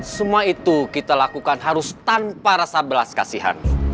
semua itu kita lakukan harus tanpa rasa belas kasihan